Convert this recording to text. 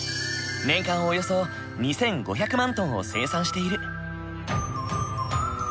年間およそ２，５００万トンを生産している。